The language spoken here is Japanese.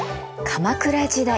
鎌倉時代。